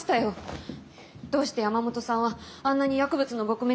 どうして山本さんはあんなに薬物の撲滅に熱心なのかって。